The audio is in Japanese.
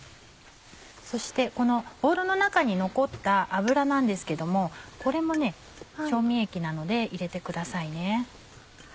そしてこのボウルの中に残った油なんですけどもこれも調味液なので入れてくださいね。